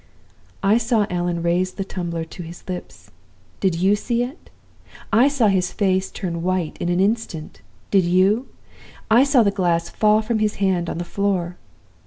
"'I saw Allan raise the tumbler to his lips. Did you see it? I saw his face turn white in an instant. Did you? I saw the glass fall from his hand on the floor.